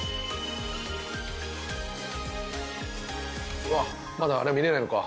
うわっまだあれ見れないのか。